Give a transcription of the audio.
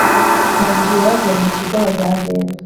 Maze igihe bavuye mu kigo bazagenda